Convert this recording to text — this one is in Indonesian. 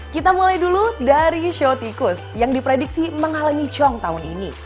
kita mulai dulu dari show tikus yang diprediksi menghalangi cong tahun ini